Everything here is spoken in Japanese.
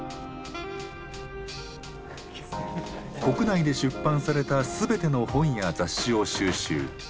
国内で出版された全ての本や雑誌を収集。